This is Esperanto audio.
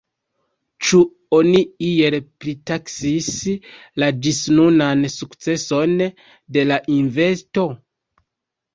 Ĉu oni iel pritaksis la ĝisnunan sukceson de la investo?